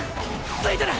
付いてる！